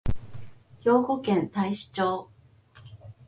兵庫県太子町